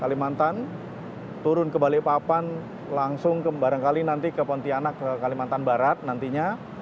kalimantan turun ke balikpapan langsung barangkali nanti ke pontianak ke kalimantan barat nantinya